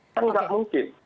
kan enggak mungkin